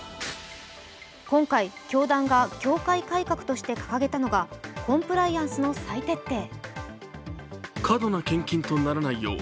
今回、教団が教会改革として掲げたのがコンプライアンスの再徹底。